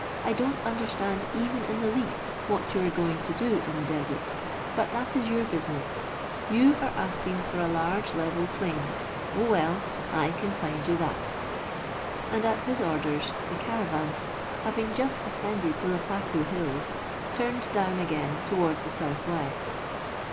I don't understand even in the least what you are going to do in the desert : but that is your business. You are asking for a large level plain ; oh well, I can find you that." And at his orders, the caravan, having just ascended the Lattakoo hills, turned down again towards the south west.